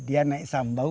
dia naik sambau